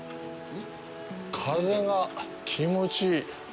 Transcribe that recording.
風が気持ちいい！